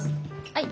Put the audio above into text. はい。